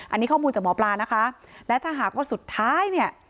อันนี้ข้อมูลจากหมอปลานะคะและถ้าหากว่าสุดท้ายเนี่ย